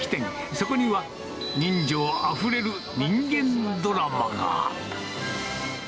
そこには、人情あふれる人間ドラマが。